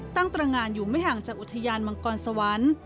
ตั้งตรงานอยู่ไม่ห่างจากอุทยานมังกรสวรรค์